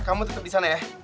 kamu tetap di sana ya